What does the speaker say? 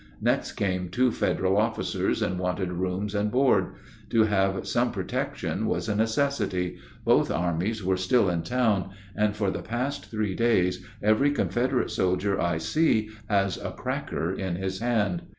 Next came two Federal officers and wanted rooms and board. To have some protection was a necessity; both armies were still in town, and for the past three days every Confederate soldier I see has a cracker in his hand.